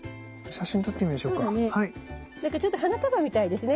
なんかちょっと花束みたいですね